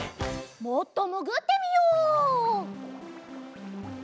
もっともぐってみよう。